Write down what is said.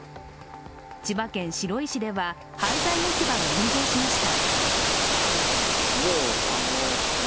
千葉県白井市では廃材置き場が炎上しました。